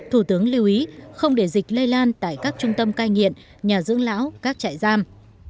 thủ tướng lưu ý không để dịch lây lan tại các trung tâm cai nghiện nhà dưỡng lão các trại giam